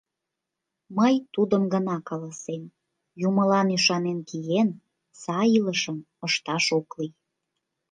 Мый тудым гына каласем: юмылан ӱшанен киен, сай илышым ышташ ок лий.